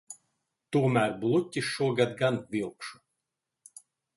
Tomēr bluķi šogad gan vilkšu.